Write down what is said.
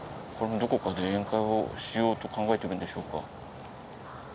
どこかで宴会をしようと考えているんでしょうか。